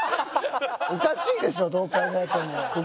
おかしいでしょどう考えても。